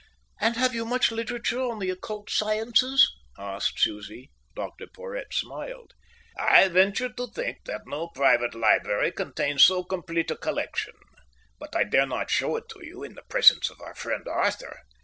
"And have you much literature on the occult sciences?" asked Susie. Dr Porhoët smiled. "I venture to think that no private library contains so complete a collection, but I dare not show it to you in the presence of our friend Arthur.